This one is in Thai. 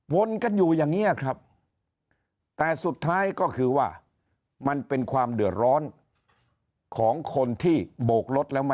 วนกันอยู่อย่างนี้ครับแต่สุดท้ายก็คือว่ามันเป็นความเดือดร้อนของคนที่โบกรถแล้วไม่